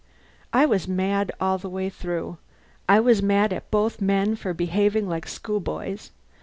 I was mad all the way through. I was mad at both men for behaving like schoolboys.